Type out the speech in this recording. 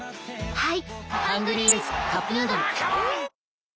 はい。